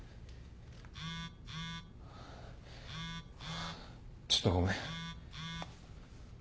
ハァちょっとごめん。